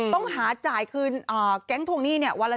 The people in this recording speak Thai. ต้องหาจ่ายคืนแก๊งทวงหนี้วันละ๗๕๐